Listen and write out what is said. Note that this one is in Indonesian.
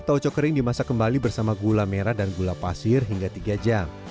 tauco kering dimasak kembali bersama gula merah dan gula pasir hingga tiga jam